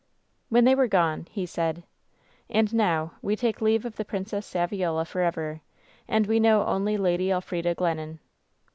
"When they were gone, he said :" 'And now we take leave of the Princess Saviola for ever, and we know only Lady Elfrida Glennon.